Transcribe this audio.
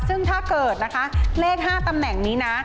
ซึ่งถ้าเกิดนะคะเลข๕ตำแหน่งนี้นะ